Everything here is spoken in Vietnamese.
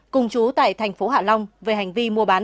cùng chú tại tp hạ long về hành vi mua bán